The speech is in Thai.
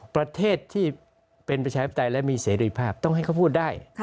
ประเทศที่เป็นประชาธิปไตยและมีเสรีภาพต้องให้เขาพูดได้